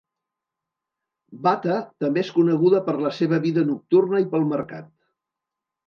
Bata també és coneguda per la seva vida nocturna i pel mercat.